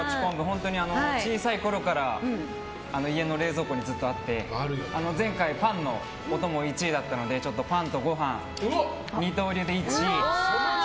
本当に小さいころから家の冷蔵庫にずっとあって前回、パンのお供１位だったのでちょっとパンとご飯二刀流で１位。